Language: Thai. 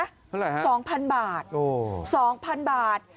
เท่าไหร่ฮะโอ้โฮ๒๐๐๐บาท